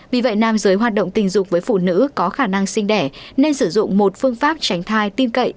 vì vậy nam giới hoạt động tình dục với phụ nữ có khả năng sinh đẻ nên sử dụng một phương pháp tránh thai tin cậy